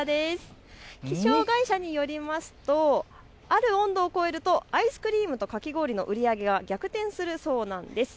気象会社によるとある温度を超えるとアイスクリームとかき氷の売り上げが逆転するそうです。